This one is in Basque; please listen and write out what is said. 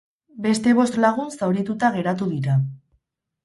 Beste bost lagun zaurituta geratu dira.